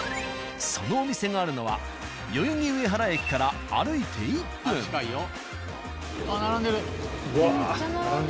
そのお店があるのは代々木上原駅から並んでる。